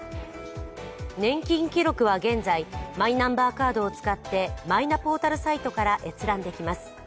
年金記録は現在、マイナンバーカードを使ってマイナポータルサイトから閲覧できます。